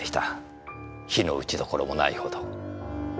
非の打ち所もないほど。